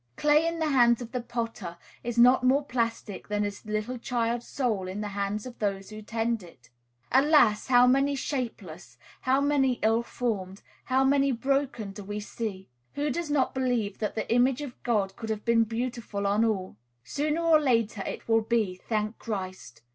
Clay in the hands of the potter is not more plastic than is the little child's soul in the hands of those who tend it. Alas! how many shapeless, how many ill formed, how many broken do we see! Who does not believe that the image of God could have been beautiful on all? Sooner or later it will be, thank Christ!